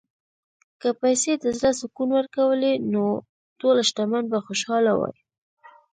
که پیسې د زړه سکون ورکولی، نو ټول شتمن به خوشاله وای.